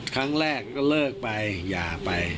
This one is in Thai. ครั้งแรกก็เลิกไปหย่าไป